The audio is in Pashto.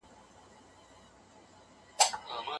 د ادب په ډګر کي ډېري پوښتنې مطرح کېږي.